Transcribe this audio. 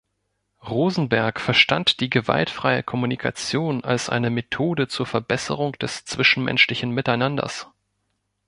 Rosenberg verstand die Gewaltfreie Kommunikation als eine Methode zur Verbesserung des zwischenmenschlichen Miteinanders.